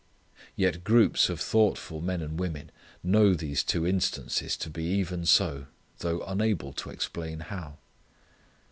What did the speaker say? Yet groups of thoughtful men and women know these two instances to be even so though unable to explain how.